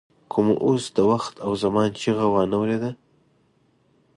که مو اوس د وخت او زمان چیغه وانه ورېده.